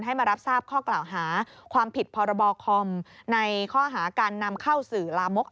มารับทราบข้อกล่าวหาความผิดพรบคอมในข้อหาการนำเข้าสื่อลามก